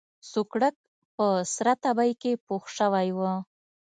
سوکړک په سره تبۍ کې پوخ شوی و.